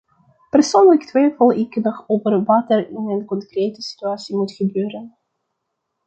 Persoonlijk twijfel ik nog over wat er in een concrete situatie moet gebeuren.